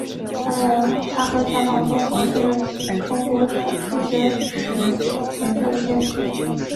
他和钱宝琮同是中国数学史研究的先驱。